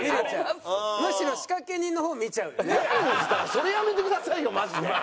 それやめてくださいよマジで！